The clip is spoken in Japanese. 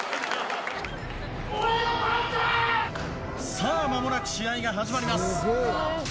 さあまもなく試合が始まります。